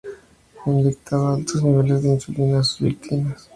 Le inyectaba altos niveles de insulina a sus víctimas.